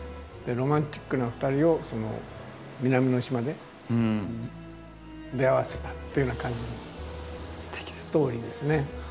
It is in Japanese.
ロマンチックな２人を南の島で出会わせたっていうような感じのストーリーですね。